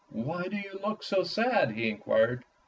"Why do you look so sad?" he inquired.